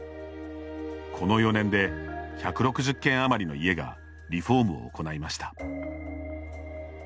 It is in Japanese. この４年で１６０件余りの家がリフォームを行いました。